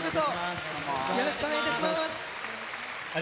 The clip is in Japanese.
よろしくお願いします。